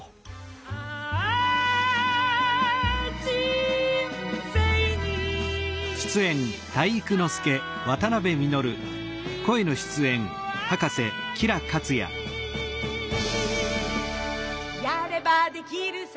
「あぁ、人生に体育あり」「やればできるさ